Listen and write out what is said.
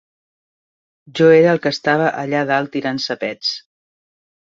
Jo era el que estava allà dalt tirant-se pets.